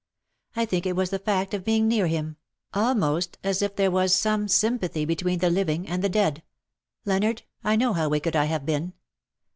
I think it was the fact of being near him — almost as if there was some sympathy between the living and the dead. Leonard^ I know how wicked I have been.